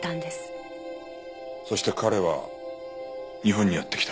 そして彼は日本にやって来た。